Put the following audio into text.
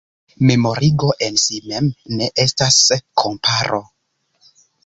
Memorigo en si mem ne estas komparo.